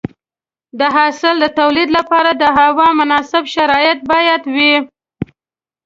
د حاصل د تولید لپاره د هوا مناسب شرایط باید وي.